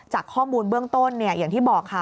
จากข้อมูลเบื้องต้นอย่างที่บอกค่ะ